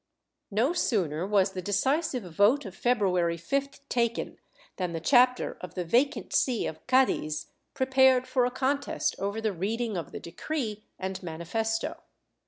^ No sooner was the decisive vote of February 5th taken than the chapter of the vacant see of Cadiz prepared for a contest over the reading of the decree and mani festo.